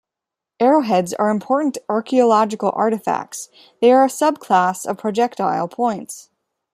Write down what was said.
Arrowheads are important archaeological artifacts; they are a subclass of projectile points.